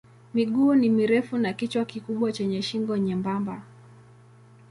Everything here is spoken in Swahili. Miguu ni mirefu na kichwa kikubwa chenye shingo nyembamba.